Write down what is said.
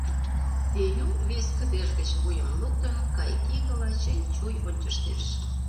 Вею, вес кыдеж гыч вуйым луктын, кайыкигыла чый-чуй ончыштеш.